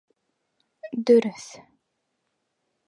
Дөрөҫ.